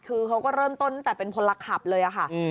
คือเขาก็เริ่มต้นตั้งแต่เป็นพลขับเลยค่ะ